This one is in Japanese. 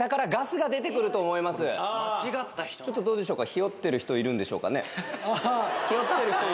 ちょっとどうでしょうか？